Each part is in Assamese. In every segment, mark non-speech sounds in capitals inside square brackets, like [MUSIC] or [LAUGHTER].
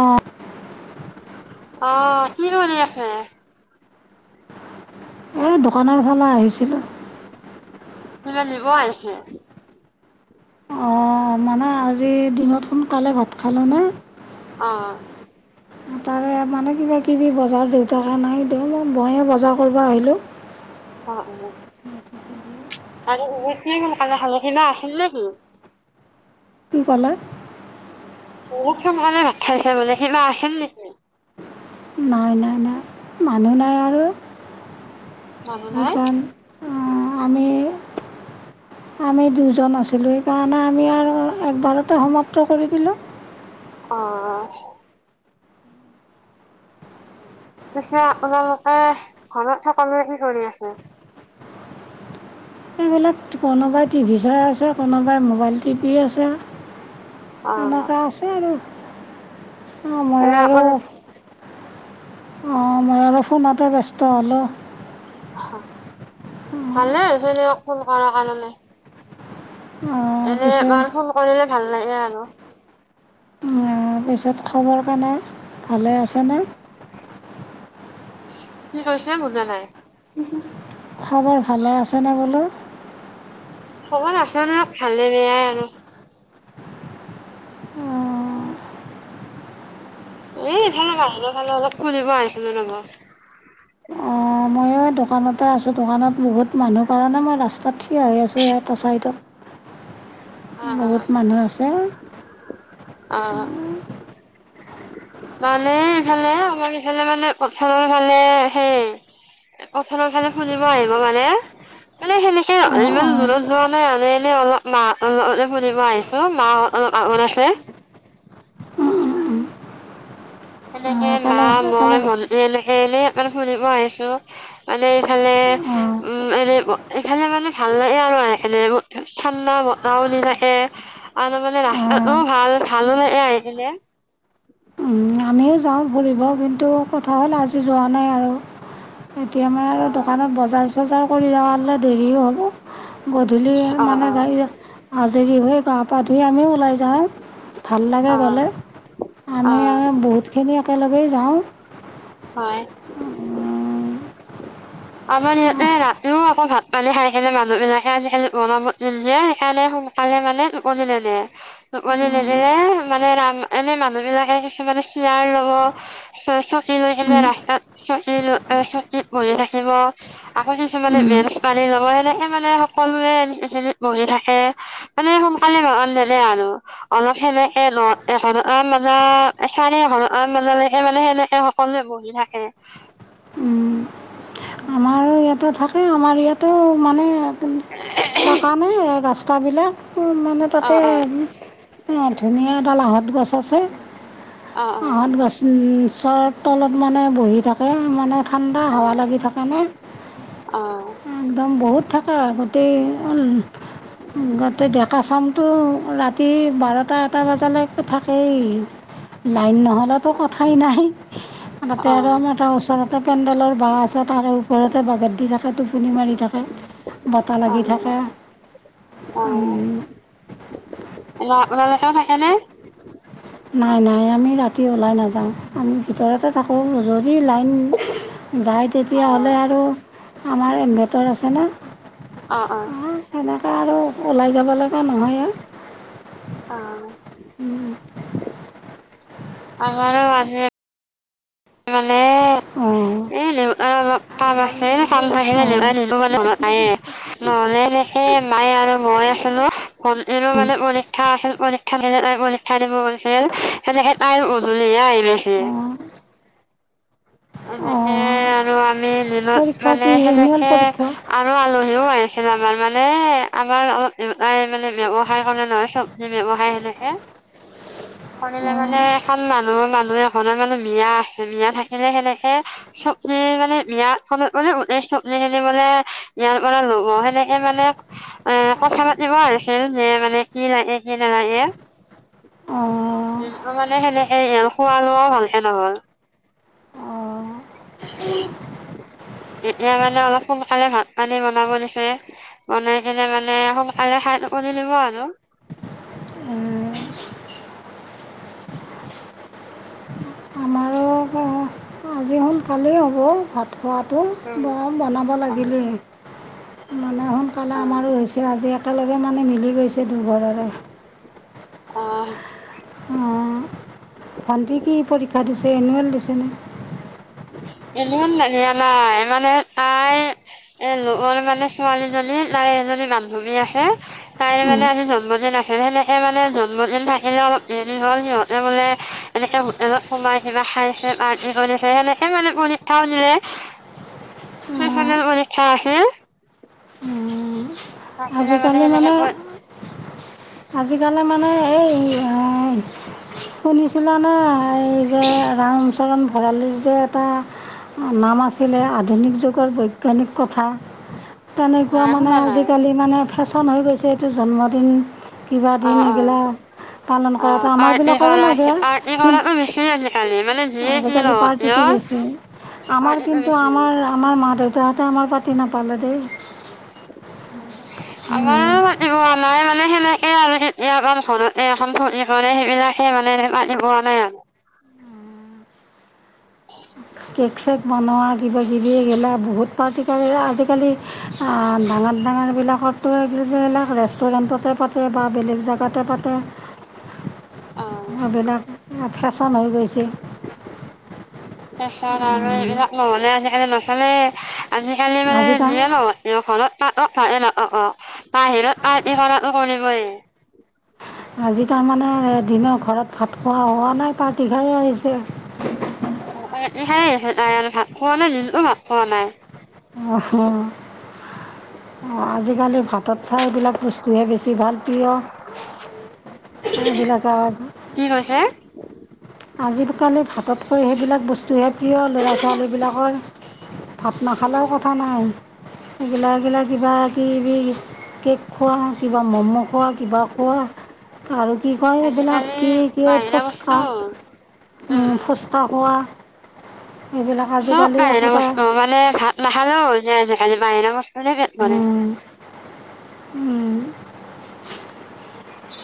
অঁ আহ কি আছে আৰু দোকানৰ ফালে আহিছিলোঁ সমান নিব আহিছে অঁ মানে আজি দিনত সোনকালে ভাত খালেনে? অ', তাৰে মানে কিবাকিবি বজাৰ দেউতাক নাই দেওঁ মইয়ে বজাৰ কৰিব আহিলোঁ। অ' উম আৰুে গল কে সালখি না আছিল নে কি [UNINTELLIGIBLE] কি ক'লা? বহুত সোনকালে ভাত খাইছি মানে কিবা আছিল নেকি? নাই নাই নাই মানুহ নাই আৰু মানুহ নাই সেইকাৰণ আমি [UNINTELLIGIBLE] আমি দুজন আছিলোঁ সেইকাৰণে আমি আৰু একবাৰতে সমাপ্ত কৰি দিলোঁ অ পিছে আপোনালোকে ঘৰত সকলোৱে কি কৰি আছে এইবিলাক কোনোবাই টিভি চাই আছে কোনোবাই মোবাইল টিভি আছে অ', এনেকুৱা আছে আৰু মই এনে আৰু আপুনি অ মই আৰু ফোনতে ব্যস্ত হ'লোঁ ভালে হৈছে ফোন কৰাৰ কাৰণে এনে পিছে মান ফোন কৰিলে ভাল লাগে আৰু তাৰপিছত খবৰ কাৰনে ভালে আছেনে কি কৈছো বুজা নাই খবৰ ভালে আছেনে বোলো খবৰ আছোন ভালে বেয়াই আৰু এই এইফালে ভাল খালে অলপ খুলিব আহিছিলে নাব মই দোকানতে আছো দোকানত বহুত মানুহ কাৰণে মই ৰাস্তাত থিয় হৈ আছোঁ ই টচাৰীডত অ', বহুত মানুহ আছে আহ মানে ইফালে আমাৰ ইফালে মানে প্ৰথমফালে হে কথা ন খালে শুনিব আহিব মানে মানে সেনেকে অঁ ইমান অঁ দূৰত যোৱা নাই মান এনেই অলপ মা অল ফুব আহিছো মাহ অ মাৰ আছে সেনেকে মা একেলগ মই একেলগ এনে মানে শুনিব আহিছো মানে এইফালে অঁ উ এনে এইফালে মানে ভাল ভাল লাগে আৰু সনে ঠাণ্ডা বতাও নিলাকে আৰু মানে ৰাস্তাতো অঁ ভাল ভালো লাগে আহি আমিও যাওঁ ফুৰিব কিন্তু কথা হ'ল আজি যোৱা নাই আৰু এতিয়া মই অ আৰু দোকানত বজাৰ চজাৰ কৰি যালে দেৰিও হ'ব গধূলি অ মানে গাড় আাজৰি হৈ গা পা ধুই আমিও ওলাই যাওঁ ভাল লাগে অ গ'লে অ অ আমি আৰু খিনি একেলগেই যাওঁ হয় আমাৰ ইয়াতে ৰাতিও আকৌ ভাত পানী খাই খেে মানুহ বিলাকে আ বনাব যে সেইকাৰণে কালে মানে কিলে ন মানেদে মানে ৰাম এনে মানুহ বিলাকে কিছুমানে সাৰ লব ৰাসা বজ আকৌ কিছুমানে মেছ পানী লব সেনেকে মানে সকলোে বহি থাকে মানে সোনকালে ভান দে আৰু অলপ সেনেকে ন এঘ মানে চাৰে মানে মানে সেনেকে সকলোৱে বহি থাকে আমাৰ ইয়াতে থাকে আমাৰ ইয়াতেো মানে দাকানে গস্তাবিলাক মানে অ তাতে অ ধুনীয়া এডালাহত গছ আছে অ অ আঁহত গছৰ তলত মানে বহি থাকে মানে ঠাণ্ডা হোৱা অ', লাগি থাকেনে অ চাম বহুত থাকে গোটেই গোটেই ডেকা চামটো ৰাতি বাৰটাত এটা বজালৈক থাকেই লাইন নহ'লেতো কথাই নাই তাতে আৰু অ', আমাৰ তাৰ ওচৰতে পেণ্ডেলৰ বাঁ আছে তাৰ ঘৰতে বঘাত দি থাকে টোপনি মাৰি থাকে বটাাহ লাগি থাকে অ', ন নাল ভনেে নাই নাই আমি ৰাতি ওলাই নাযাওঁ আমি ভিতৰতে থাকোঁ যদি লাইন যায় তেতিয়াহ'লে অ', আৰু আমাৰ ইনভেটৰ আছেনে অ অ আৰু ওলাই যাব লগা নহয় আৰু অ উম আাৰ আছে মানে অঁ এ আৰু অলপ কাম আছে চাং আহে অঁ নিবাই নিিলো মানে মনত নায়ে নহ'লে দেখে মায়ে আৰু মই আছিলোো মানে পৰীক্ষা আছিল পৰীক্ষা দিল ঠাই দিব গৈছিল সে তাই গধূলহে আহি গেছে অঁ এনেকে অঁ আৰু আমি দিনত পৰীক্ষা মানে কি এনুৱেল সেনেকে পৰীক্ষা আৰু আলোহীওাই আমাৰ মানে আমাৰ অলপ মানে ব্য়ৱসায় কাৰণে নহয় চব ব্য়ৱসায় সেনেকে শনিলে মানে অঁ এখন মানুহ মানুহ এখ মানে মিয়া আছে মিয়া থাকিলে সেনেকে প্ মানে বিয়াৰ ফলত মানে ট চপ্নি খিনি মানে বিয়াত মানে লব সেনেকে মানে এ কথা পাতিব আৰু খ যে মানে কি লাগে কি নালাগে অঁ মানে সেনেকে খোৱা লোৱাও ভালে নহল অঁ উম এতিয়া মানে অলপ সোনকালে ভাত পানী বনাব দিছে বনাই কিনে মানে সোনকালে হ লিব আৰু উম আমাৰো আজি সোনকালেই হ'ব ভাত খোৱাটো ব উম। বনাব অ লাগিলি মানে সোনকালে আমাৰো অ হৈছে আজি একেলগে মানে মিলি গৈছে দুঘৰৰে আহ ভণ্টি কি পৰীক্ষা দিছে এনুৱেল দিছেনে ইমান ধনিয়া নাই মানে আই এ লগৰ মানে ছোৱালীজনী তাই এজনী বান্ধৱী আে তাই মানে আজি জন্মদিন আে সেনেকে মানে জন্মদিন থাকে এনে অলপ হৰি হ'ল সিহঁতে বোলে এনেকে হোটেলত সোমাইছে বা খাইছে পাৰ্টি কৰিছে সেনেক স মানে পৰীক্ষাও দিলে চ পৰীক্ষা আছিল থাকিলে আজিকালি সেনেকে মানে কৈ আজিকালি মানে এই শুনিছিলানে যে ৰামচৰণ ভঁৰালি যে এটা নাম আছিলে আধুনিক যুগৰ বৈজ্ঞানিক কথা, তেনেকুৱা নাই মানে শুনা নাই আজিকালি মানে ফেশ্বন হৈ গৈছে এইটো জন্মদিন কিবা অ দিন অ এইগিলা পালন অ কৰাটো আঠ ই আমাৰবিলাকৰো বাৰ আ লাগে ইিবাৰ কিন্তু ম মেচি [UNINTELLIGIBLE] নালে মানে [UNINTELLIGIBLE] আজিকালি পাৰ্টিটো বেছি, আমাৰ কিন্তু আমাৰ আমাৰ মা দেউতাহঁতে আমাৰ পাতি নাপালে দেই। আৰ মাতিব নাই ম [UNINTELLIGIBLE] সনে সেনেকে আৰু কেতিয়া গও ঘতে এখন চজ কাৰণে সেইবিলাকে মানে মানি পোৱা নাই আৰু [INAUDIBLE] কেক চেক বনোৱা কিবাাকিবিগিলা বহুত প্ৰতিিকী আজিকালি ডাঙৰ পন্ধানাৰবিলাকত গিলাক ৰেষ্টুৰেণ্টতে পাতে বা বেলেগ জেগাতে পাতে এইবিলাক ফেশ্বন হৈ গৈছে তাৰছত আৰু এইবাক নহলে আজিকালি নচে আজিকালি মানে আজি তাৰ যিয়ে নহয় খনত ত অ ভাহ অ অ বাহিৰত আ কনিবই [UNINTELLIGIBLE] আজি তাৰমানে এদিনে ঘৰত ভাত খোৱা হোৱা নাই, পাৰ্টি খাই আহিছে। ন ভাত খোৱা নাই দিলো ভাত খোৱা নাই [UNINTELLIGIBLE] আহ। আজিকালি ভাতত চাই এইবিলাক বস্তুহে বেছি ভাল প্ৰিয়, সেইবিলাকৰ আজিকালি ভাততকৈ সেইবিলাক বস্তুহে প্ৰিয় ল'ৰা ছোৱালীবিলাকৰ। ভাত নাখালেও কথা নাই, এইগিলা এগিলা কিবা কিবি কেক খোৱা, কিবা ম'ম' খোৱা, কিবা খোৱা আৰু কি কয়, এইবিলাক কি কি ফুচকাহ ফুচকা খোৱা এইবিলাক চ প আজিকালি ন একোটা অ মানে ভাল ন ভাল হ [UNINTELLIGIBLE] স কে বাহৰা বস্ত যে ম [UNINTELLIGIBLE] উম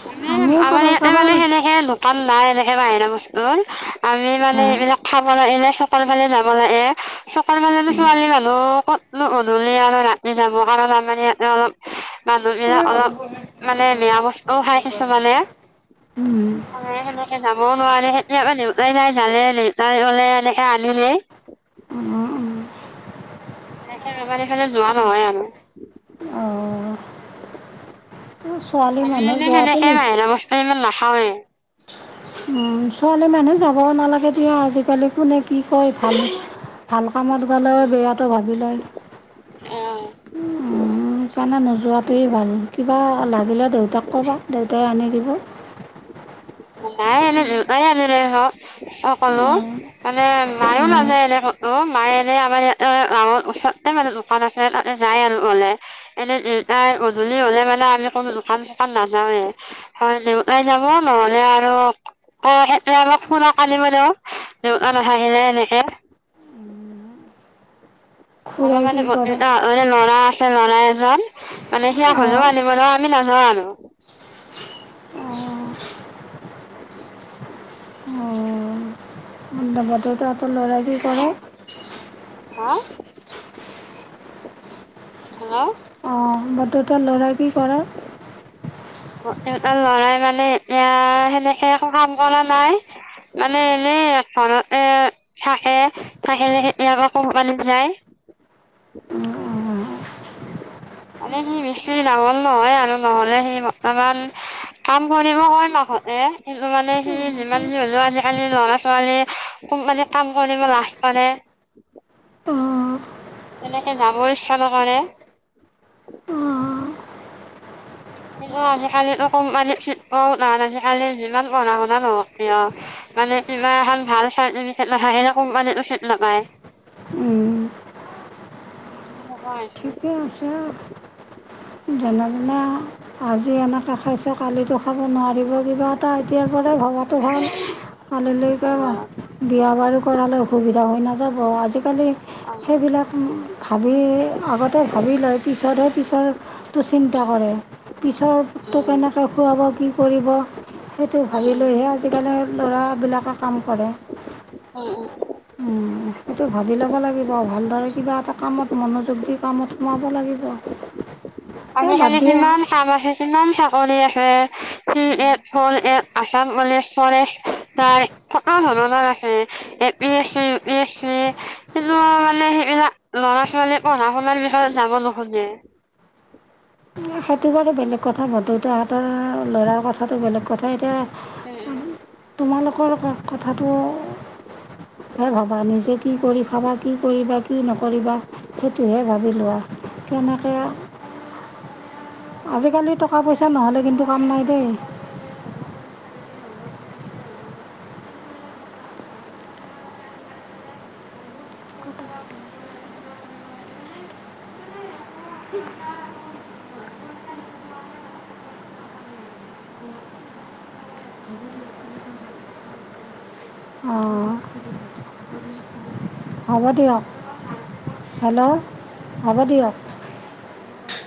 মানে আমাৰ কাৰোবাৰ ইয়াতে কাৰোবাৰ মানে সেনেকে দোকান নাই এনে, বাহিৰা বস্তুৰ আমি মানে এইবিলাক খাব লাগে চকল ফালে যাব লাগে। চক নু ছোৱালী মানুহ ক'তনো গধূলি আৰু ৰাতি যাব। কাৰণ আমাৰ ইয়াতে অলপ মানুহবিলাক অলপ মানে বেয়া বা কিছুমানে, কৰে সেনেকে যাবও নোৱাৰোন, দেউতাই যায়, জালে দেউতাই গলে এনেকে আনিলেই উম। উম। আমাৰ এইফালে যোৱা নহয় আৰু। ছোৱালী আমি মানুহ মানে যোৱাটো সেনেকে নি বাহিৰা বস্তু ইমান নাখাওৱে। উম, ছোৱালী মানুহ যাব নালাগে দিয়া, আজিকালি কোনে কি কয় ভাল ভাল কামত গ'লেও বেয়াটো ভাবি লয় আহ। সেইকাৰণে নোযোৱাত টোৱে ভাল। কিবা লাগিলে দেউতাক ক'বা, দেউতাই আনি দিব। নাই এনে দেউতাই আনিলে হক সকলো উম, মানে মায়ও উম, নযায় এনে কত, মায়ে এনে আমাৰ ইয়াতে গাঁৱৰ ওচৰতে মানে দোকান আছে যাই আৰু ওলে, এনে গধূলি হলে মানে আমি কোনো দোকান চোকান নাযাওৱে। হয়, দেউতাই যাব নহলে আৰু ক আমাক ফুনক আনিব দিওঁ দেউ নাহিলে এনেকে। [UNINTELLIGIBLE] অলপ খুৰাই কি মানে এ কৰে ম লৰা আছে নৰা এজন। [UNINTELLIGIBLE] মানে সেইয়াক হলিও অঁ, আনিব দেও আমি নাজোৱা আৰু। অঁ, অঁ, [UNINTELLIGIBLE] ল'ৰাই কি কৰে? হা? হা? দুটা ল'ৰাই বি কৰে? এটা লৰাই মানে এতিয়া সেনেকে একো কাম কৰা নাই মানে এনে ঘৰতে থাকে, থাকিলে কোম্পালী যায়। উম, মানে সি মিস্ৰী ডাঙল নহয় আৰু নহলে সি বৰ্তমান কাম কৰিব হয় মা এ কিন্তু মানে সি যিমান যি হ'লেও আজিকালি ল'ৰা ছোৱালী কোম্পানী কাম কৰিব লাগ মানে। অঁ, অঁ, এনেকে যাবৰ ইচ্ছা নকৰে। অঁ, আজিকালিতো কমানি ন আজ কালি যিমান পঢ়া শুনা নহও কিয়। [UNINTELLIGIBLE] মানে ইমানখন ভাল চাল ফে নাপায় সেইনেক মানো ফেট নাপায়। [UNINTELLIGIBLE] উম। অ' হৈ। ঠিকে আছে। যেনে মনে আজি এনেকৈ খাইছো, কালিতো খাব নোৱাৰিব কিবা এটা এতিয়াৰ পৰা ভবাটো ভাল কালিলৈকে বিয়া বাৰু কৰালে অসুবিধা হৈ নাযাব। ত' আজিকালি সেইবিলাক ভাবি আগত ত ভাবি লয় পিছতহে পিছৰটো চিন্তা কৰে। পিছৰটটো কেনেকৈ খুৱাব কি কৰিব? সেইটো ভাবি লৈহে আজিকালি ল'ৰাবিলাকে কাম কৰে। উম। সেইটো ভাবি ল'ব লাগিব ভালদৰে কিবা এটা কামত মনোযোগদি কামত সোমাব লাগিব। এই আজি বাদ কালি দিয়া কিমান কাম আছে কিমান চাকৰি আছে এক হ'ল এক আচাম পুলিচৰ ফৰেষ্ট ত কিমান সুবিধা আছে এ পি চ চি, উ প চ চি কিন্তু মানে হেৰী লৰা সেইটোত সফালে পঢ়া শুনাৰ বিষয়ে যাব নোখোজে। সেইটোৰ বাৰু বেলেগ কথা পাতো, তাহঁতৰ ল'ৰাৰ কথাটো বেলেগ কথা উম, উম। এতিয়া তোমালোকৰ কথাটো হে ভাবা নিজে কি কৰি খাবা কি কৰিবা কি নকৰিবা সেইটোহে ভাবি লোৱা। কেনেকে আজিকালি টকা পইচা নহ'লে কিন্তু কাম নাই দেই। অঁ হ'ব দিয়ক হেল্ল' হ'ব দিয়ক।